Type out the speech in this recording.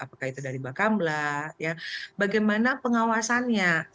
maka itu dari mbak kamla bagaimana pengawasannya